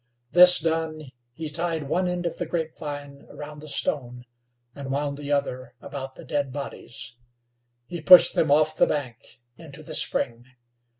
This done, he tied one end of the grapevine around the stone, and wound the other about the dead bodies. He pushed them off the bank into the spring.